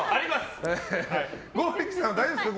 剛力さん、大丈夫ですか？